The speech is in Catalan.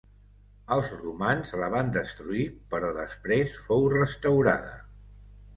Els romans la van destruir però després fou restaurada.